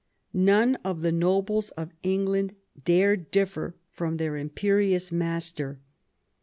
None of the nobles of England dared differ from their imperious master.